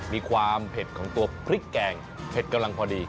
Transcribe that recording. มีความเผ็ดของตัวพริกแกงเผ็ดกำลังพอดี